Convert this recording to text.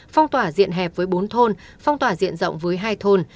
phong tỏa diện hẹp với bốn thôn phong tỏa diện rộng với hai thôn